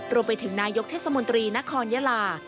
รวมไปถึงนายกเทศมนตรีนครยาลา